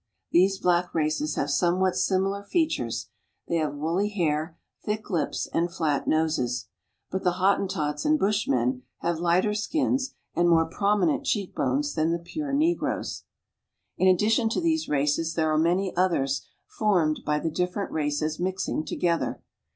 These black races have somewhat similar fea tures ; they have woolly hair, thick lips, and flat noses ; but the Hotten tots and Bushmen have lighter skins and more prominent cheekbones lan the pure negroes. In addition to these races there are many others formed by the different races mixing together.